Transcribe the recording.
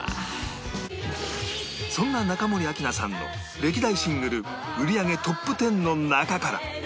そんな中森明菜さんの歴代シングル売り上げトップ１０の中から